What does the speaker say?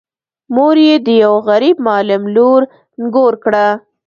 مور یې د یوه غريب معلم لور نږور کړه.